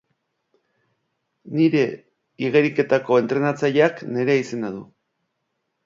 Nire igeriketako entrenatzaileak Nerea izena du.